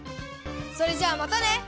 それじゃあまたね！